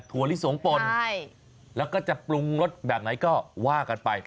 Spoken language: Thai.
ลิสงปนแล้วก็จะปรุงรสแบบไหนก็ว่ากันไป